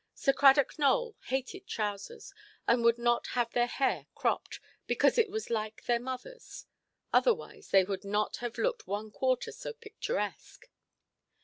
Sir Cradock Nowell hated trousers, and would not have their hair cropped, because it was like their motherʼs; otherwise they would not have looked one quarter so picturesque.